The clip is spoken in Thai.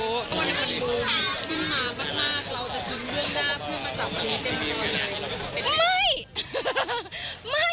วันอันบุรุษขึ้นมามากเราจะทิ้งเรื่องด้าเพื่อมาสั่งตัวนี้เต็มก่อนเลย